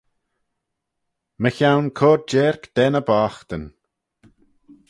Mychione cur jeirk da ny boghtyn.